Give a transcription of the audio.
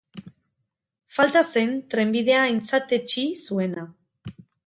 Falta zen, trenbidea aintzatetsi zuena.